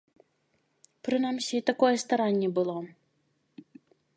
Прынамсі, такое старанне было.